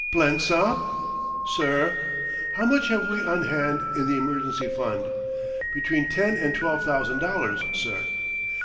"Blensop?" "Sir?" "How much have we on hand, in the emergency fund?" "Between ten and twelve thousand dollars, sir."